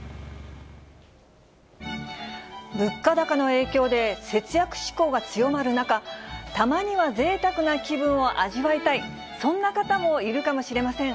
物価高の影響で、節約志向が強まる中、たまにはぜいたくな気分を味わいたい、そんな方もいるかもしれません。